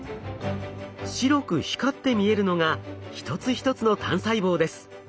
白く光って見えるのが一つ一つの単細胞です。